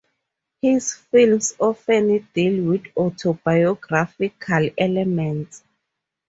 His films often deal with autobiographical elements.